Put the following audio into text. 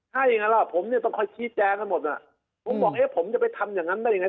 อย่างนั้นล่ะผมเนี่ยต้องคอยชี้แจงให้หมดน่ะผมบอกเอ๊ะผมจะไปทำอย่างนั้นได้ยังไง